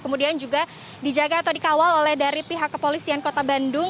kemudian juga dijaga atau dikawal oleh dari pihak kepolisian kota bandung